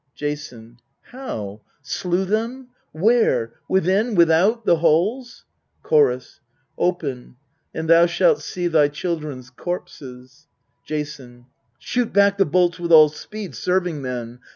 Jason. How ? slew them ? Where ? withip, without, the halls ? Chorus. Open, and thou shalt see thy children's corpses. Jason. Shoot back the bolts with all speed, serving men